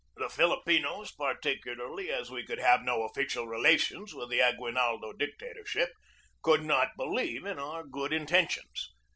The Filipinos, particularly as we could have no official relations with the Aguinaldo dictatorship, could not believe in our good intentions.